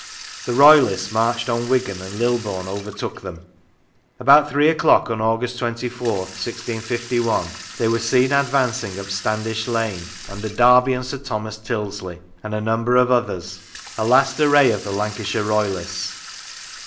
The Royalists marched on Wigan, and Lilburne overtook them. About 103 Lancashire 3 o'clock on August 24th, 1651, they were seen ad vancing up Standish Lane under Derby and Sir Thomas Tyldesley, and a number of others, a last array of the Lancashire Royalists.